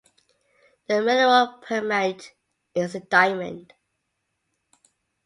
The mineral primate is the diamond.